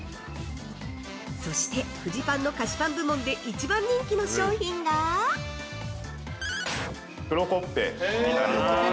そしてフジパンの菓子パン部門で一番人気の商品が◆黒コッペになります。